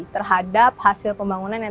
terhadap hasil pembangunan yang